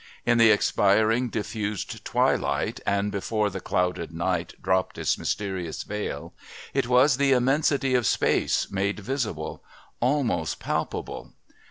In the expiring diffused twilight, and before the clouded night dropped its mysterious veil, it was the immensity of space made visible almost palpable.